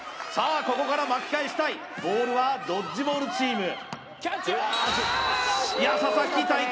ここから巻き返したいボールはドッジボールチーム佐々木大光